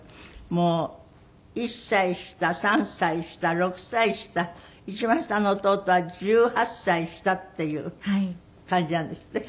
もう１歳下３歳下６歳下一番下の弟は１８歳下っていう感じなんですって？